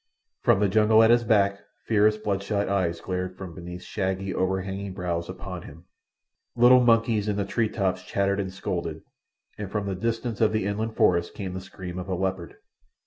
From the jungle at his back fierce bloodshot eyes glared from beneath shaggy overhanging brows upon him. Little monkeys in the tree tops chattered and scolded, and from the distance of the inland forest came the scream of a leopard.